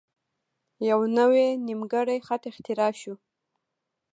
یوه نوی نیمګړی خط اختراع شو.